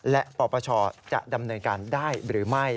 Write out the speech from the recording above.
และปปชจะดำเนินการได้หรือไม่